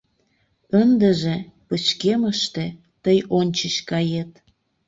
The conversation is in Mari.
— Ындыже пычкемыште тый ончыч кает.